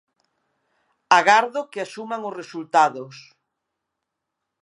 Agardo que asuman os resultados.